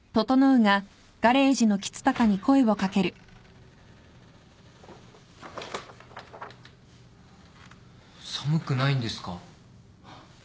誕生寒くないんですか？